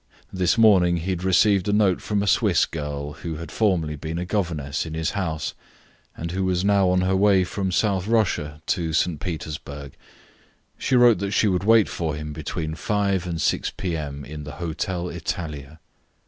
This morning he had received a note from a Swiss girl, who had formerly been a governess in his house, and who was now on her way from South Russia to St. Petersburg. She wrote that she would wait for him between five and six p.m. in the Hotel Italia.